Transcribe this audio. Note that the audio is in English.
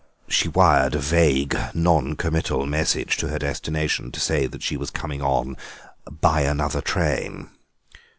She wired a vague non committal message to her destination to say that she was coming on "by another train."